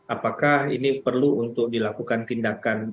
apakah ini perlu untuk dilakukan tindakan